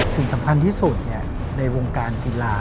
สิ่งสำคัญที่สุดในวงการกีฬา